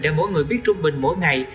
để mỗi người biết trung bình mỗi ngày